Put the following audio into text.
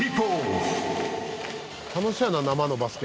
楽しそうやな生のバスケ。